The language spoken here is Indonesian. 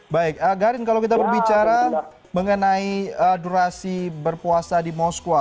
baik garin kalau kita berbicara mengenai durasi berpuasa di moskwa